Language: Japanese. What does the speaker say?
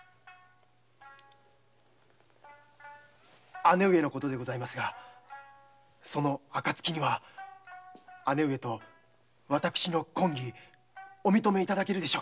姉上のことでございますがその暁には姉上と私の婚儀お認めいただけるでしょうか？